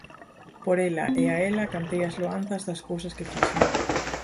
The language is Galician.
Por ela e a ela cantei as loanzas das cousas que fixen.